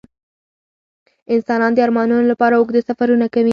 انسانان د ارمانونو لپاره اوږده سفرونه کوي.